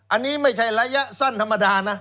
อันนี้ไม่ใช่ระยะสั้นธรรมดานะ